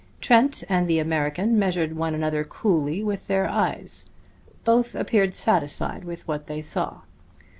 Trent and the American measured one another coolly with their eyes. Both appeared satisfied with what they saw.